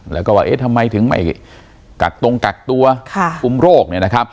แล้วก็ว่าทำไมไม่กระกกรังตัวอุมโรค